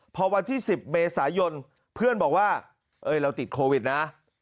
พอวันที่๑๐เมษายนเพื่อนบอกว่าเราติดโควิดนะ